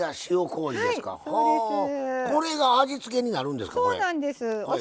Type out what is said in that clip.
これが味付けになるんですか？